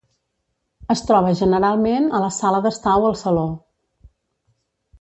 Es troba generalment a la sala d'estar o al saló.